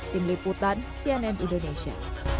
tim liputan cnn indonesia